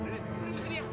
dilihat disini ya